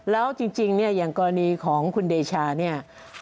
แล้วจริงอย่างกรณีของคุณเดชานี่